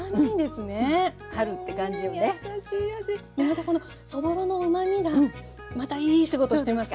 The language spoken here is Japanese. またこのそぼろのうまみがまたいい仕事してますよね。